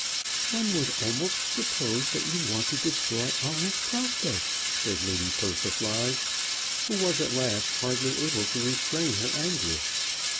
"One would almost suppose that you want to destroy all his prospects," said Lady Persiflage, who was at last hardly able to restrain her anger.